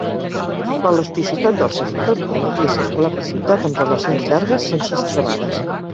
L'elasticitat del seu motor permetia circular per ciutat amb relacions llargues sense estrebades.